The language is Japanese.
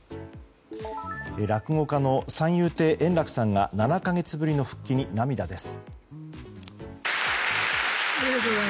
落語家の三遊亭円楽さんが７か月ぶりの復帰に涙です。